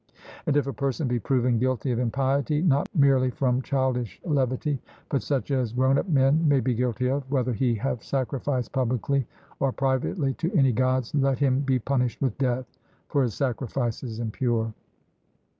And if a person be proven guilty of impiety, not merely from childish levity, but such as grown up men may be guilty of, whether he have sacrificed publicly or privately to any Gods, let him be punished with death, for his sacrifice is impure.